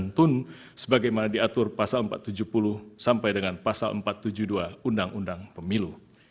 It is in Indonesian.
dan tun sebagaimana diatur pasal empat ratus tujuh puluh sampai dengan pasal empat ratus tujuh puluh dua undang undang pemilu